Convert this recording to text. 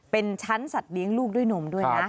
เป็นชั้นสัตว์เลี้ยงลูกด้วยนมด้วยนะ